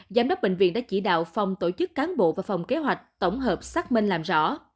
giám đốc bệnh viện đã chỉ đạo phòng tổ chức cán bộ và phòng kế hoạch tổng hợp xác minh làm rõ